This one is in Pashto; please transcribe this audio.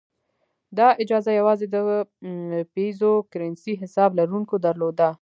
دا اجازه یوازې د پیزو کرنسۍ حساب لرونکو درلوده.